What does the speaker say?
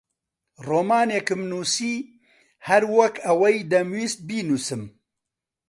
ڕۆمانێکم نووسی هەر وەک ئەوەی دەمویست بینووسم.